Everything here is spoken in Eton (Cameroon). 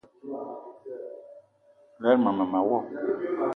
Lerma mema wo.